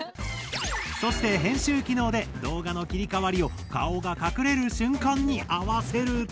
そして編集機能で動画の切り替わりを顔が隠れる瞬間に合わせると。